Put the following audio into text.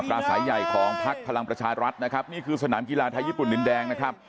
สายใหญ่ของพักพลังประชารัฐนะครับนี่คือสนามกีฬาไทยญี่ปุ่นดินแดงนะครับ